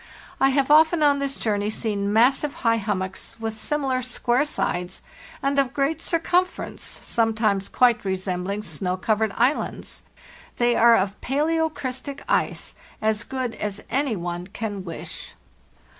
I have often on this journey seen massive high hummocks with similar square sides, and of great circumference, sometimes quite resembling snow covered islands. They are of 'palaeocrystic ice,' as good as any one can wish.